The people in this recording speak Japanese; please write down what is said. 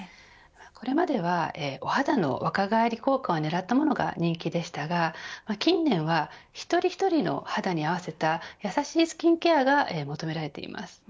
これまではお肌の若返り効果を狙ったものが人気でしたが、近年は一人一人の肌に合わせた優しいスキンケアが求められています。